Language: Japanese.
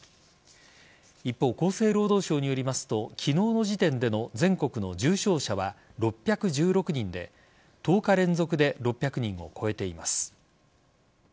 一方、厚生労働省によりますと昨日の時点での全国の重症者は６１６人で１０日連続で６００人を超えています。